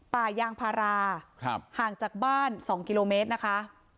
ป่ายางพาราห่างจากบ้าน๒กิโลเมตรนะคะ